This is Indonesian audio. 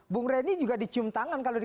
bung rey ini juga dicium tangan kalau di